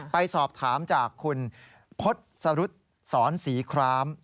ไปสอบถามจากคุณพศรุษสอนศรีคราม